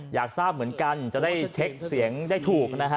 อยากทราบเหมือนกันจะได้เช็คเสียงได้ถูกนะฮะ